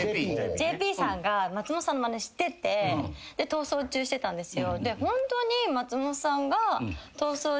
ＪＰさんが松本さんのまねしてて『逃走中』してたんですよ。